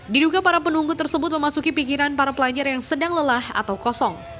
diduga para penunggu tersebut memasuki pikiran para pelajar yang sedang lelah atau kosong